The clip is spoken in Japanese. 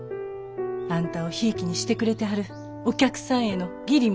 あんたをひいきにしてくれてはるお客さんへの義理もあります。